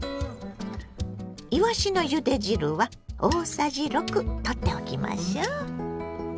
いわしのゆで汁は大さじ６とっておきましょう。